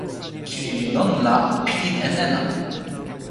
kili li lon, la o pilin e nena!